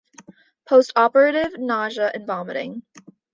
Postoperative nausea and vomiting.